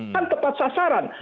kan tepat sasaran